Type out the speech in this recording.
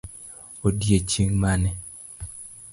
Odiochieng' mane?